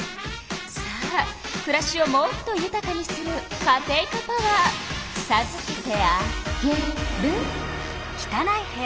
さあくらしをもっとゆたかにするカテイカパワーさずけてあげる。